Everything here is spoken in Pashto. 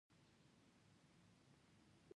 د حجاب حکم شوئ